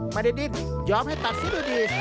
ไม่ได้ดิ้นยอมให้ตัดเสียดูดี